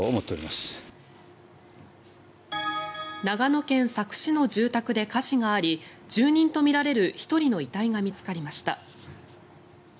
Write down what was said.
長野県佐久市の住宅で火事があり住人とみられる１人の遺体が見つかりました。